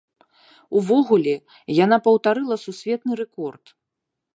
Увогуле, яна паўтарыла сусветны рэкорд.